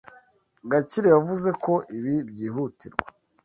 Gakire yavuze ko ibi byihutirwa.